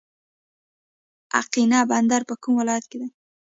اقینه بندر په کوم ولایت کې دی؟